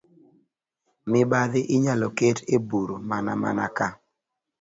Mibadhi inyalo ket e bur mana mana ka